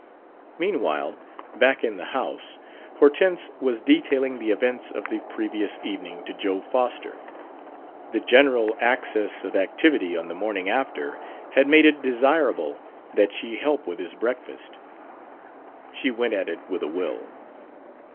Meanwhile, back in the house, Hortense was detailing the events of the previous evening to Joe Foster; the general access of activity on the morning after had made it desirable that she help with his breakfast. She went at it with a will.